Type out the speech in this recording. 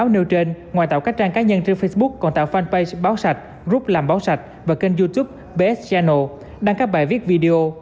ngoài tạo các trang cá nhân trên facebook còn tạo fanpage báo sạch group làm báo sạch và kênh youtube bs channel đăng các bài viết video